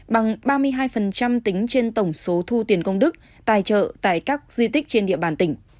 bằng ba mươi hai tính trên tổng số thu tiền công đức tài trợ tại các di tích trên địa bàn tỉnh